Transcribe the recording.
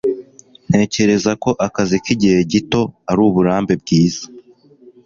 Ntekereza ko akazi k'igihe gito ari uburambe bwiza.